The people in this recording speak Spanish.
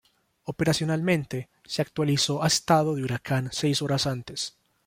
Operacionalmente, se actualizó a estado de huracán seis horas antes.